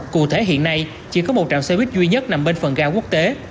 cụ thể hiện nay chỉ có một trạm xe buýt duy nhất nằm bên phần ga quốc tế